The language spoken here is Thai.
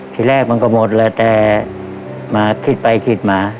ทีแรกมันก็หมดแล้วแต่มาคิดไปคิดมา